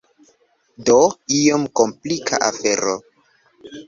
Do, iom komplika afero.